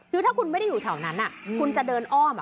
คือถ้าคุณไม่ได้อยู่แถวนั้นคุณจะเดินอ้อม